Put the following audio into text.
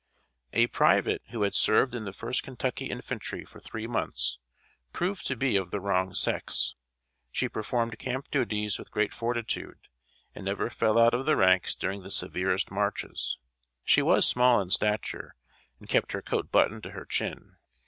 ] A private who had served in the First Kentucky Infantry for three months, proved to be of the wrong sex. She performed camp duties with great fortitude, and never fell out of the ranks during the severest marches. She was small in stature, and kept her coat buttoned to her chin.